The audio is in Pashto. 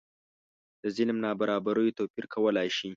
د ظلم نابرابریو توپیر کولای شي.